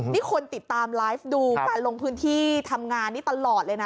นี่คนติดตามไลฟ์ดูการลงพื้นที่ทำงานนี้ตลอดเลยนะ